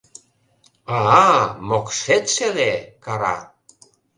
— А-а, мокшет шеле! — кара.